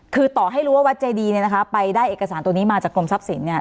คือต่อให้รู้ว่าวัดเจดีเนี่ยนะคะไปได้เอกสารตัวนี้มาจากกรมทรัพย์สินเนี่ย